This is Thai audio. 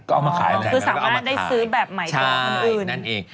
ก็เอามาขายคือสามารถได้ซื้อแบบใหม่กว่าอื่น